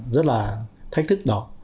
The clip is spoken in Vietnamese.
rất là thách thức đó